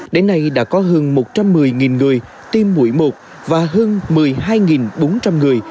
đến nay đã có hơn một trăm một mươi người tiêm mũi một và hơn một mươi hai bốn trăm linh người